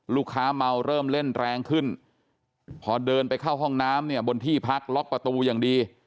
เมาเริ่มเล่นแรงขึ้นพอเดินไปเข้าห้องน้ำเนี่ยบนที่พักล็อกประตูอย่างดี